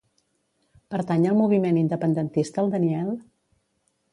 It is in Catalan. Pertany al moviment independentista el Daniel?